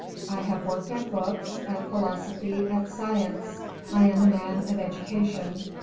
I have worked at books, at philosophy, at science: I am a man of education.